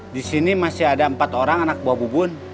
disini masih ada empat orang anak buah bubun